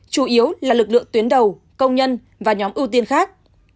chủ yếu là lực lượng tuyến đầu công nhân và nhóm ưu tiên khác